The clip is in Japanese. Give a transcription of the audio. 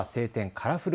カラフル